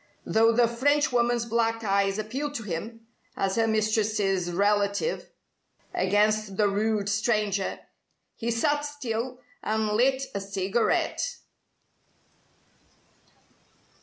Though the Frenchwoman's black eyes appealed to him as her mistress's relative against the rude stranger, he sat still and lit a cigarette.